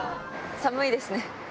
寒いですね。